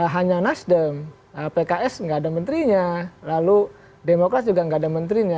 hanya nasdem pks nggak ada menterinya lalu demokrat juga nggak ada menterinya